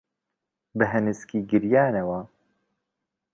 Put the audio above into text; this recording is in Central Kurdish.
بە هەنسکی گریانەوە